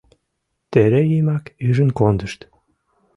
Терейымак ӱжын кондышт.